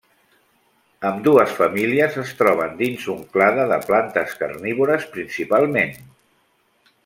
Ambdues famílies es troben dins un clade de plantes carnívores principalment.